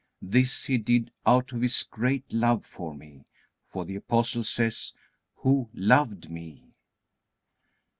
This He did out of His great love for me, for the Apostle says, "Who loved me."